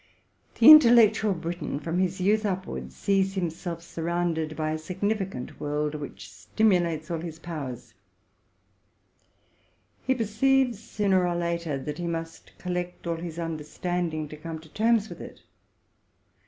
The intellectual Briton, from his youth upwards, sees himself surrounded by a significant world, which stim ulates all his powers: he perceives, sooner or later, that he must collect all his understanding to come to terms with it.